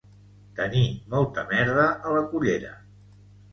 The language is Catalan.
Tenir molta merda a la cullera